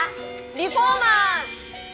リフォーマーズ！